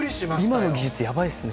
今の技術、やばいですね。